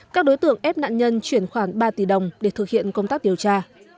các đối tượng ép nạn nhân chuyển khoản ba tỷ đồng để thực hiện công tác điều tra